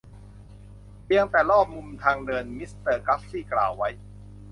เพียงแค่รอบมุมทางเดินมิสเตอร์กัฟฟี่กล่าวไว้